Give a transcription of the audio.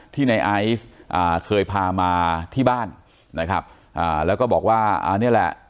ในไอซ์เคยพามาที่บ้านนะครับอ่าแล้วก็บอกว่าอันนี้แหละ